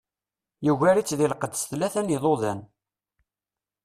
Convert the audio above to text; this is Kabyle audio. Yugar-itt di lqedd s tlata n yiḍudan.